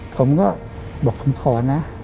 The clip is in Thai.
ผมก็บอกคุณขอนะ